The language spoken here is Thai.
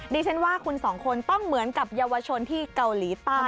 ดิฉันว่าคุณสองคนต้องเหมือนกับเยาวชนที่เกาหลีใต้